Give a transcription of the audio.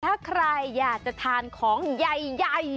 ถ้าใครอยากจะทานของใหญ่